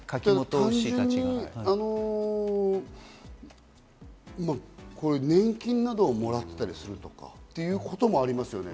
単純に年金などをもらったりするとか、そういうこともありますよね。